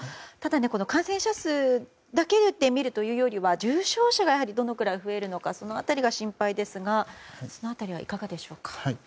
感染者数だけでみるというよりは重症者がどのくらい増えるのかその辺りが心配ですがいかがでしょうか？